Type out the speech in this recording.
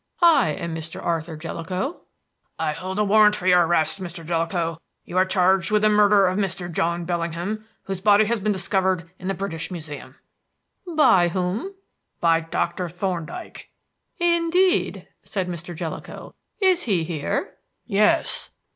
I am Mr. Arthur Jellicoe." "I hold a warrant for your arrest, Mr. Jellicoe. You are charged with the murder of Mr. John Bellingham, whose body has been discovered in the British Museum." "By whom?" "By Doctor Thorndyke." "Indeed," said Mr. Jellicoe. "Is he here?" "Yes."